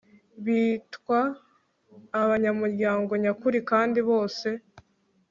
bitwa abanyamuryango nyakuri kandi bose